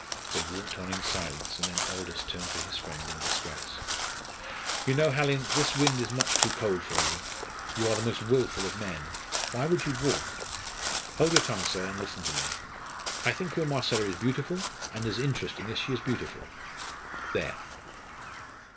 They walked on in silence, and then Aldous turned to his friend in distress. "You know, Hallin, this wind is much too cold for you. You are the most wilful of men. Why would you walk?" "Hold your tongue, sir, and listen to me. I think your Marcella is beautiful, and as interesting as she is beautiful. There!"